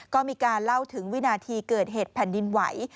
ก็มีการเล่าถึงวินาทีเกิดเหตุแผ่นดินไหว